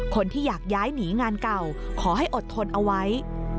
คนที่อยากย้ายหนีงานเก่าขอให้อดทนเอาไว้